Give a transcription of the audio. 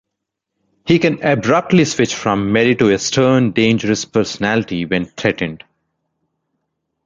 He can abruptly switch from merry to a stern, dangerous personality when threatened.